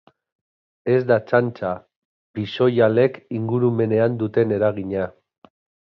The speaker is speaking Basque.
Ez da txantxa pixoihalek ingurumenean duten eragina.